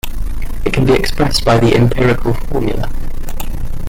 It can be expressed by the empirical formula.